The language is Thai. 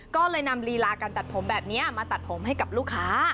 ก็เลยนำลีลาการตัดผมแบบนี้มาตัดผมให้กับลูกค้า